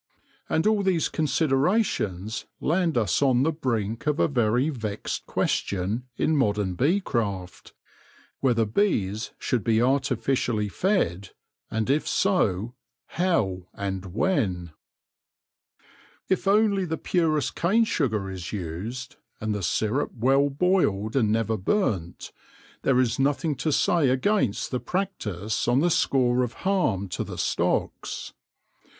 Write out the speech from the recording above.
And all these considerations land us on the brink of a very vexed question in modern bee craft — whether bees should be artificially fed, and if so, how and when ? If only the purest cane sugar is used, and the syrup well boiled and never burnt, there is nothing to say against the practice on the score of harm to the stocks.